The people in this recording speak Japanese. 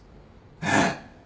えっ？